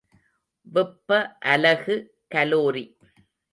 வெப்ப அலகு கலோரி.